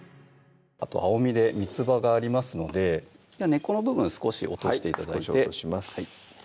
あと青みでみつばがありますので根っこの部分少し落として頂いて少し落とします